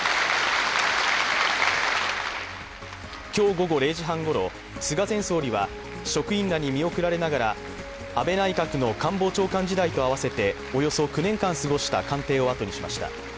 今日午後０時半ごろ、菅前総理は職員らに見送られながら、安倍内閣の官房長官時代と合わせておよそ９年間過ごした官邸をあとにしました。